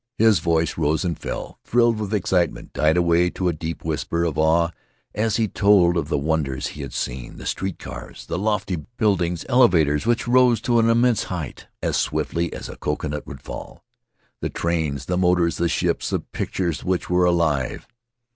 His voice rose and fell, thrilled with excitement, died away to a deep whisper of awe as he told of the wonders he had seen, the street cars, the lofty buildings, the elevators which rose to an im mense height as swiftly as a coconut would fall, the trains, the motors, the ships, the pictures which were alive.